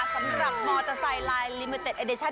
สำหรับมอเซอร์ไซด์ไลน์ลิมิเต็ดเอดิชั่น